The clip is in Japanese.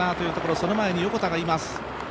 その前に横田がいます。